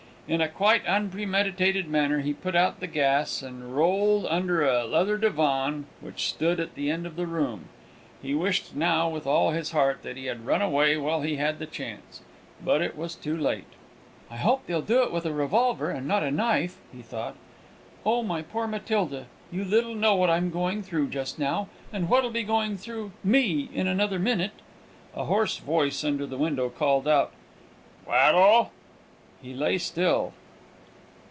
In a quite unpremeditated manner he put out the gas and rolled under a leather divan which stood at the end of the room. He wished now, with all his heart, that he had run away while he had the chance; but it was too late. "I hope they'll do it with a revolver, and not a knife," he thought. "Oh, my poor Matilda! you little know what I'm going through just now, and what'll be going through me in another minute!" A hoarse voice under the window called out, "Tweddle!" He lay still.